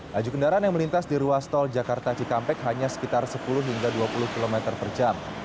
laju kendaraan yang melintas di ruas tol jakarta cikampek hanya sekitar sepuluh hingga dua puluh km per jam